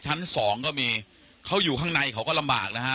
ชั้นสองก็มีเขาอยู่ข้างในเขาก็ลำบากนะฮะ